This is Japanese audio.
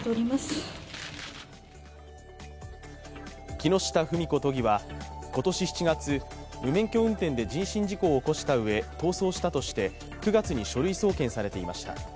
木下富美子都議は今年７月、無免許運転で人身事故を起こしたうえ逃走したとして９月に書類送検されていました。